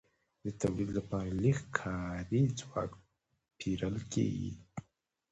د تولید لپاره لږ کاري ځواک پېرل کېږي